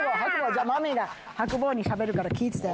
じゃあマミィがはく坊にしゃべるから聞いてて。